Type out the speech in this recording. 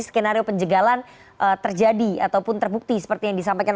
skenario penjegalan terjadi ataupun terbukti seperti yang disampaikan